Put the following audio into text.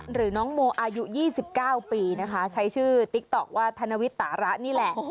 หรือน้องโมอายุ๒๙ปีนะคะใช้ชื่อติ๊กต๊อกว่าธนวิตาระนี่แหละ